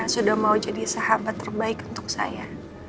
sudah mau jadi sahabat terbaik untuk saya